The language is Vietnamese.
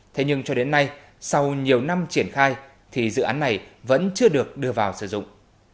thế nhưng cho đến nay sau nhiều năm triển khai thì dự án này vẫn chưa được đưa vào sử dụng